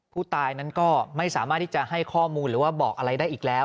ผู้ตายนั้นก็ไม่สามารถที่จะให้ข้อมูลหรือว่าบอกอะไรได้อีกแล้ว